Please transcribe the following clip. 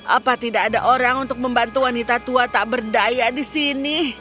apa tidak ada orang untuk membantu wanita tua tak berdaya di sini